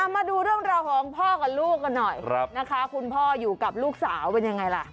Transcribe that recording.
มาดูเรื่องราวของพ่อกับลูกกันหน่อยนะคะคุณพ่ออยู่กับลูกสาวเป็นยังไงล่ะ